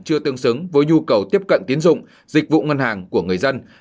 chưa tương xứng với nhu cầu tiếp cận tiến dụng dịch vụ ngân hàng của người dân